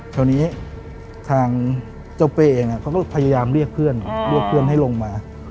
คราวนี้ทางเจ้าเป้เองเขาก็พยายามเรียกเพื่อนเรียกเพื่อนให้ลงมา